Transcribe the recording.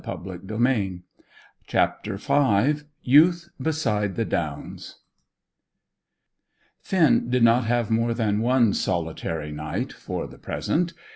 CHAPTER V YOUTH BESIDE THE DOWNS Finn did not have more than one solitary night for the present.